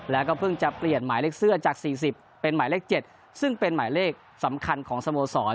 แล้วก็เพิ่งจะเปลี่ยนหมายเลขเสื้อจาก๔๐เป็นหมายเลข๗ซึ่งเป็นหมายเลขสำคัญของสโมสร